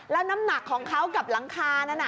แล้วน้ำหนักของเขากับหลังคานั้น